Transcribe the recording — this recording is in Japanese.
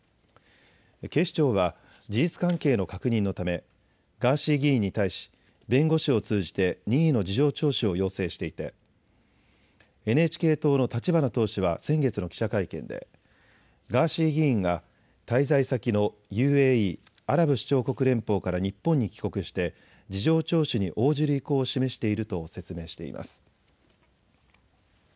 警視庁は事実関係の確認のためガーシー議員に対し弁護士を通じて任意の事情聴取を要請していてＮＨＫ党の立花党首は先月の記者会見でガーシー議員が滞在先のＵＡＥ・アラブ首長国連邦から日本に帰国して事情聴取に応じる意向を示していると説明しています。